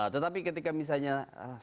tetapi ketika misalnya sandiaga una